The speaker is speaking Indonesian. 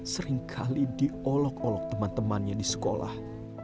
seringkali diolok olok teman temannya di sekolah